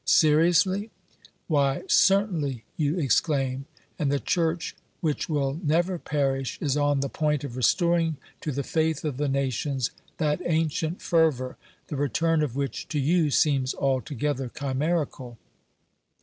Seriously ? Why, certainly, you exclaim ; and the Church which will never perish is on the point of restoring to the faith of the nations that ancient fervour, the return of which to you seems alto gether chimerical.